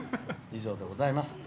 以上でございます。